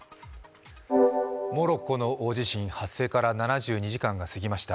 モロッコの大地震発生から７２時間が過ぎました。